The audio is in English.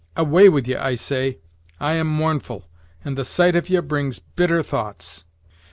Away with ye, I say! I am mournful, and the sight of ye brings bitter thoughts."